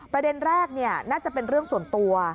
ประเด็นแรกน่าจะเป็นเรื่องส่วนตัว